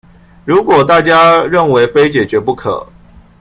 如果大家認為非解決不可